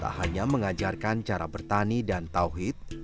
tak hanya mengajarkan cara bertani dan tauhid